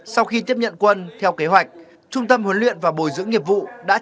sau khi tiếp nhận quân theo kế hoạch trung tâm huấn luyện và bồi dưỡng nhiệp vụ đã chỉnh